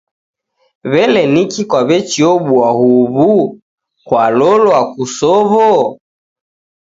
W'ele niki kwaw'echiobua huw'u? Kwalolwa kusow'o?